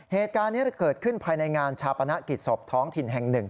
เหตุการณ์นี้เกิดขึ้นภายในงานชาปนกิจศพท้องถิ่นแห่งหนึ่ง